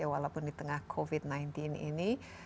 walaupun di tengah covid sembilan belas ini